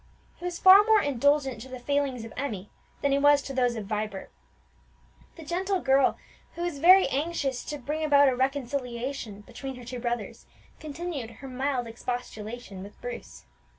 He was far more indulgent to the failings of Emmie than he was to those of Vibert. The gentle girl, who was very anxious to bring about a reconciliation between her two brothers continued her mild expostulation with Bruce.